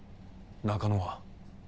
中野は？